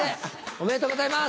おめでとうございます！